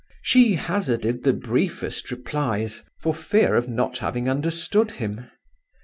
She hazarded the briefest replies for fear of not having understood him.